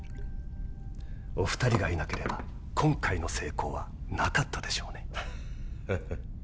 お二人がいなければ今回の成功はなかったでしょうねハッハハ